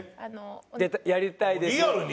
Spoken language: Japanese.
やりたいですって。